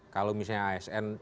kalau misalnya asn